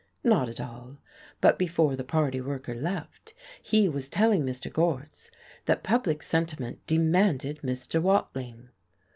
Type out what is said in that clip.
Not at all! But before the party worker left he was telling Mr. Gorse that public sentiment demanded Mr. Watling.